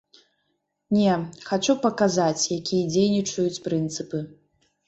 Не, хачу паказаць, якія дзейнічаюць прынцыпы.